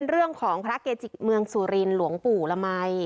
เรื่องของพระเกจิกเมืองสุรินหลวงปู่ละมัย